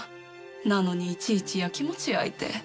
なのにいちいちやきもち焼いて。